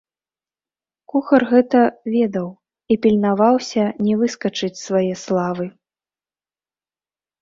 Кухар гэта ведаў і пільнаваўся не выскачыць з свае славы.